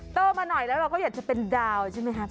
โตมาหน่อยแล้วเราก็อยากจะเป็นดาวใช่ไหมคะ